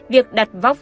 việc đặt vóc